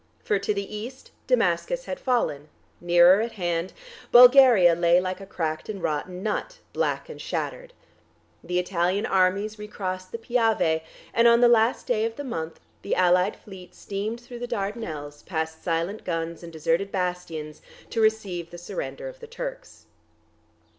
For to the east Damascus had fallen; nearer at hand Bulgaria lay like a cracked and rotten nut, black and shattered; the Italian armies recrossed the Piave and on the last day of the month the Allied Fleet steamed through the Dardanelles past silent guns and deserted bastions to receive the surrender of the Turks.